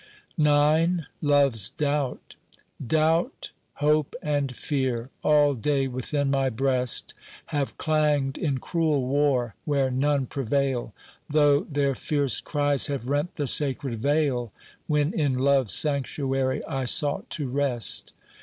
IX LOVE'S DOUBT DOUBT, Hope, and Fear, all day within my breast Have clanged in cruel war where none prevail, Though their fierce cries have rent the sacred veil, When in Love's sanctuary I sought to rest.